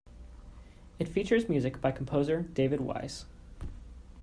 It features music by composer David Wise.